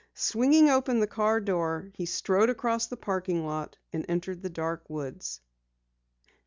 Swinging open the car door, he strode across the parking lot, and entered the dark woods.